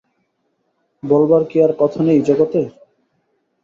বলবার কি আর কথা নেই জগতে?